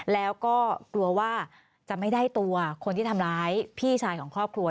แล้วก็กลัวว่าจะไม่ได้ตัวคนที่ทำร้ายพี่ชายของครอบครัว